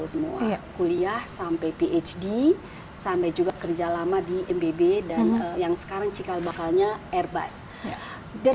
semua kuliah sampai phd sampai juga kerja lama di mbb dan yang sekarang cikal bakalnya airbus dan